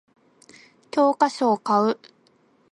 教科書を買う